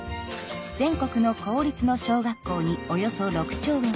全国の公立の小学校におよそ６兆円。